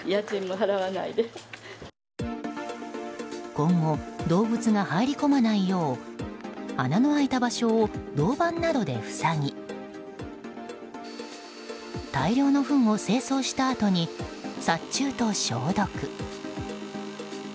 今後、動物が入り込まないよう穴の開いた場所を銅板などで塞ぎ大量のふんを清掃したあとに殺虫と消毒。